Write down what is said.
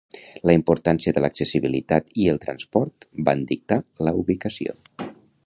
La importància de l'accessibilitat i el transport van dictar la ubicació.